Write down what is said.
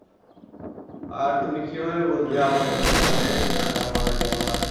আর তুমি কিভাবে বুঝবে আপনজনের সাথে থাকার মজা কেমন হয়?